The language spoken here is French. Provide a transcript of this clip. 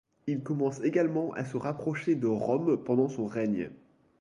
Il commence également à se rapprocher de Rome pendant son règne.